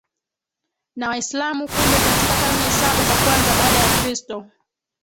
na Waislamu Kumbe katika karne saba za kwanza baada ya Kristo